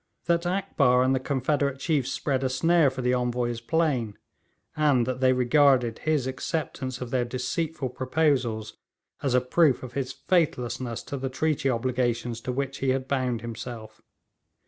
That Akbar and the confederate chiefs spread a snare for the Envoy is plain, and that they regarded his acceptance of their deceitful proposals as a proof of his faithlessness to the treaty obligations to which he had bound himself.